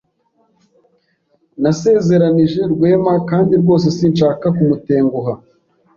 Nasezeranije Rwema kandi rwose sinshaka kumutenguha.